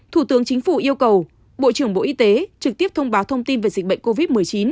thủ tướng chính phủ yêu cầu bộ trưởng bộ y tế trực tiếp thông báo thông tin về dịch bệnh covid một mươi chín